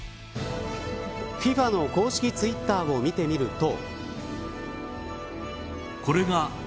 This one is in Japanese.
ＦＩＦＡの公式ツイッターを見てみると。